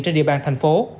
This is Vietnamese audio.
trên địa bàn thành phố